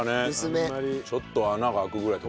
ちょっと穴が開くぐらい。